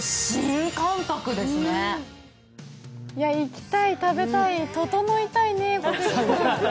行きたい、食べたい、ととのいたいね。